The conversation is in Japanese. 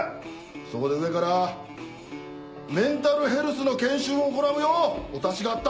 そこで上からメンタルヘルスの研修を行うようお達しがあった。